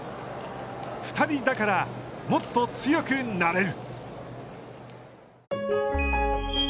２人だから、もっと強くなれる。